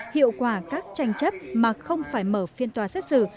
hiệu quả các tranh chấp mà không phải mở phiên tòa xét xử